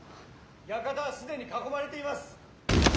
館は既に囲まれています！